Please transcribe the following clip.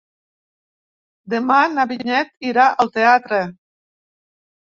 Demà na Vinyet irà al teatre.